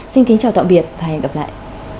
xin kính chào tạm biệt và hẹn gặp lại